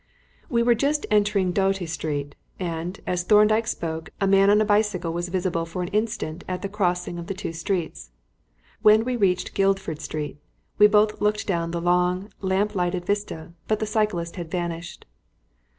We were just entering Doughty Street, and, as Thorndyke spoke, a man on a bicycle was visible for an instant at the crossing of the two streets. When we reached Guildford Street we both looked down the long, lamp lighted vista, but the cyclist had vanished.